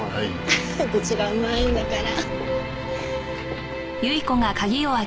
フフッ口がうまいんだから。